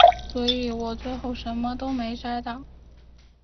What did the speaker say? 所以我最后什么都没有摘到